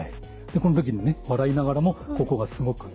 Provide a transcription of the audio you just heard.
でこの時にね笑いながらもここがすごく。